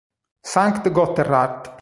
Sankt Gotthard